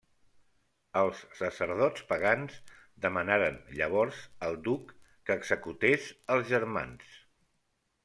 Els sacerdots pagans demanaren llavors al duc que executés els germans.